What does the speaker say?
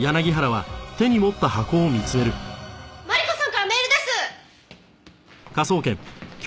マリコさんからメールです！